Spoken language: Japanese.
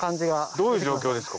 どういう状況ですか？